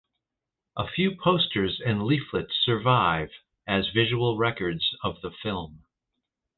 A few posters and leaflets survive as visual records of the film.